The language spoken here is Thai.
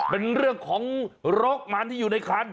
เป็นเรื่องของรกมันที่อยู่ในคัน